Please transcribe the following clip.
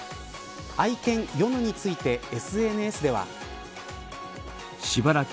愛犬ヨヌについてＳＮＳでは。